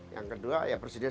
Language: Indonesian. yang kedua ya presiden